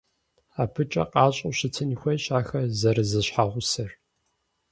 АбыкӀэ къащӀэу щытын хуейщ ахэр зэрызэщхьэгъусэр.